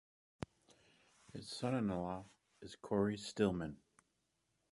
His son-in-law is Cory Stillman.